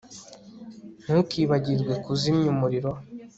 Ntukibagirwe kuzimya umuriro